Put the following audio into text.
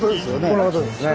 このことですね。